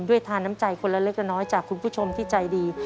ด้วยทาน้ำใจคนละเล็กจากคุณผู้ชมที่ใจดี